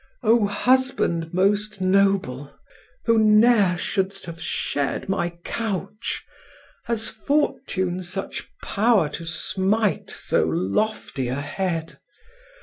O husband most noble, Who ne'er shouldst have shared my couch! Has fortune such power To smite so lofty a head?